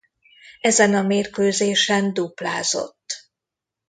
Ezen a mérkőzésen duplázott.